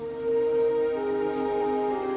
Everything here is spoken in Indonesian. apa yang biasedanya